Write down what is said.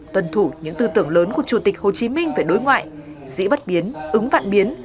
tuân thủ những tư tưởng lớn của chủ tịch hồ chí minh về đối ngoại dĩ bất biến ứng vạn biến